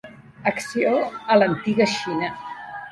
Acció a l'antiga Xina.